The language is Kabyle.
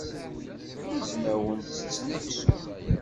Izmawen ttetten aksum.